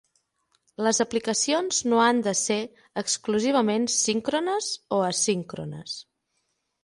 Les aplicacions no han de ser exclusivament síncrones o asíncrones.